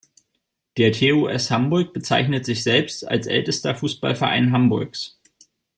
Der TuS Hamburg bezeichnet sich selbst als „ältester Fußballverein Hamburgs“.